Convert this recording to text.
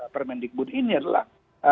permendikbud ini adalah